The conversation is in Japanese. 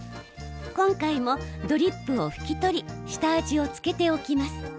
今回もドリップを拭き取り下味を付けておきます。